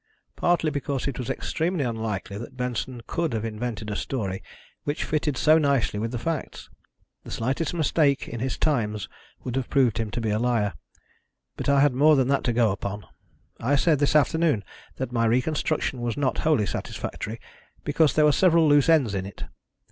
"Partly because it was extremely unlikely that Benson could have invented a story which fitted so nicely with the facts. The slightest mistake in his times would have proved him to be a liar. But I had more than that to go upon. I said this afternoon that my reconstruction was not wholly satisfactory, because there were several loose ends in it.